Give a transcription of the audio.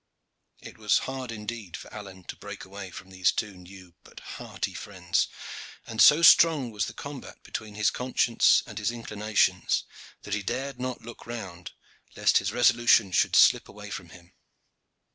It was hard indeed for Alleyne to break away from these two new but hearty friends, and so strong was the combat between his conscience and his inclinations that he dared not look round, lest his resolution should slip away from him.